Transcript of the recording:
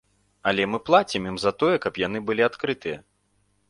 Але мы плацім ім за тое, каб яны былі адкрытыя.